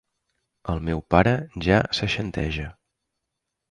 El meu pare ja seixanteja.